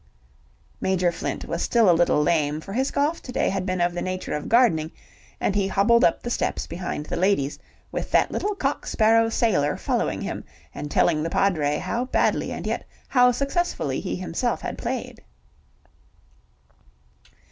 Major Flint was still a little lame, for his golf to day had been of the nature of gardening, and he hobbled up the steps behind the ladies, with that little cock sparrow sailor following him and telling the Padre how badly and yet how successfully he himself had played.